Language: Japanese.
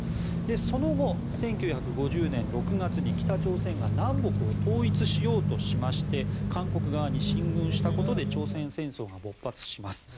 その後、１９５０年６月に北朝鮮が南北を統一しようとしまして韓国側に進軍したことで朝鮮戦争が勃発します。